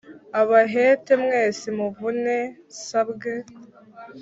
abahete mwese muvune sambwe